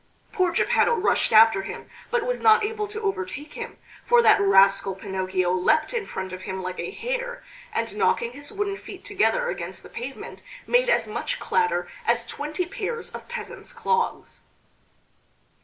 Poor Geppetto rushed after him but was not able to overtake him, for that rascal Pinocchio leapt in front of him like a hare, and knocking his wooden feet together against the pavement made as much clatter as twenty pairs of peasant's clogs.